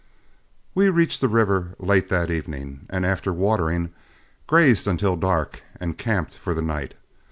We reached the river late that evening, and after watering, grazed until dark and camped for the night.